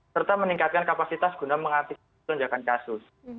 serta meningkatkan kapasitas guna mengantisipasi lonjakan kasus